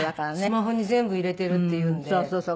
スマホに全部入れてるって言うんで。